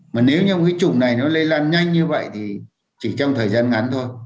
mà nếu như cái chủng này nó lây lan nhanh như vậy thì chỉ trong thời gian ngắn thôi